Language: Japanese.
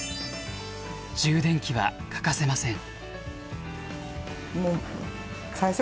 充電器は欠かせません。